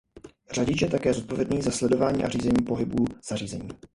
Řadič je také zodpovědný za sledování a řízení pohybů zařízení.